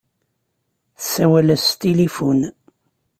Tessawel-as s tilifun.